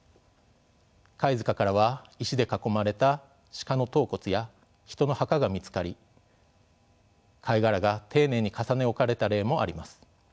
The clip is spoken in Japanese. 貝塚からは石で囲まれた鹿の頭骨や人の墓が見つかり貝殻が丁寧に重ね置かれた例もあります。